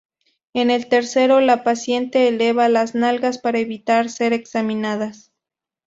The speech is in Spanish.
En el tercero, la paciente eleva las nalgas para evitar ser examinada.